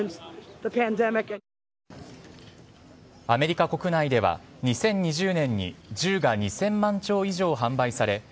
アメリカ国内では２０２０年に銃が２０００万丁以上、販売され